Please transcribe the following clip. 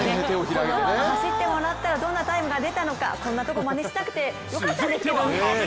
このまま走ってもらったらどんなタイムが出たのかこんなところ、まねしなくてよかったんですけどね。